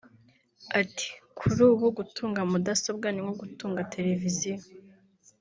Ati “Kuri ubu gutunga mudasobwa ni nko gutunga televiziyo